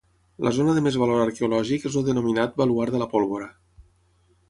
La zona de més valor arqueològic és el denominat Baluard de la Pólvora.